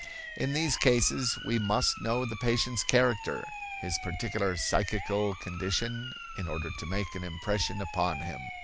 In these cases we must know the patient's character, his particular psychical condition, in order to make an impression upon him."